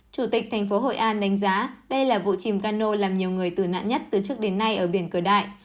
chủ tịch thành phố hội an đánh giá đây là vụ chìm cano làm nhiều người tử nạn nhất từ trước đến nay ở biển cửa đại